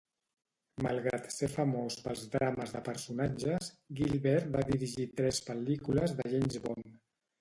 Malgrat ser famós pels drames de personatges, Gilbert va dirigir tres pel·lícules de James Bond.